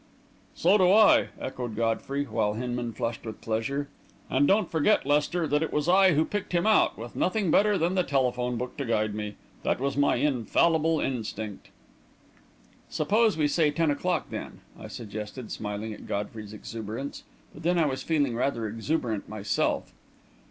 "So do I!" echoed Godfrey, while Hinman flushed with pleasure. "And don't forget, Lester, that it was I who picked him out, with nothing better than the telephone book to guide me! That was my infallible instinct!" "Suppose we say ten o'clock, then?" I suggested, smiling at Godfrey's exuberance but then, I was feeling rather exuberant myself!